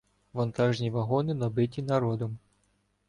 Вантажні вагони набиті народом.